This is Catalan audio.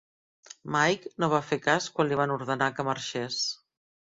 Mike no va fer cas quan li van ordenar que marxés.